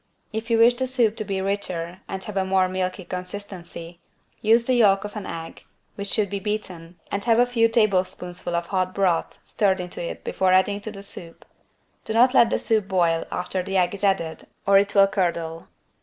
If you wish the soup to be richer and have a more milky consistency, use the yolk of an egg, which should be beaten, and have a few tablespoonfuls of hot broth stirred into it before adding to the soup. Do not let the soup boil after the egg is added or it will curdle.